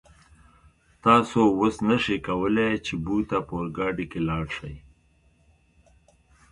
تاسو اوس نشئ کولای چې بو ته په اورګاډي کې لاړ شئ.